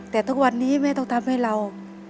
แต่ทุกวันนี้แม่ต้องทำให้เรา